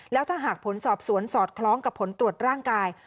แล้วถ้าหากผลสอบสวนสอดคล้องกับผลตรวจร่างกาย